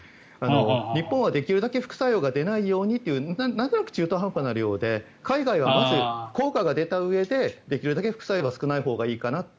日本はできるだけ副作用が出ないようにというなんとなく中途半端な量で海外はまず効果が出たうえでできるだけ副作用が少ないほうがいいかなと。